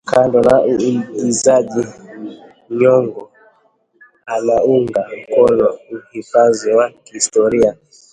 Kando na uigizaji, Nyong'o anaunga mkono uhifadhi wa kihistoria